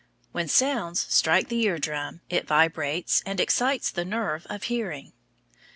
When sounds strike the eardrum it vibrates and excites the nerve of hearing.